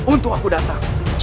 untuk aku datang